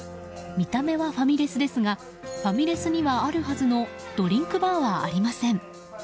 見た目はファミレスですがファミレスにはあるはずのドリンクバーがありません。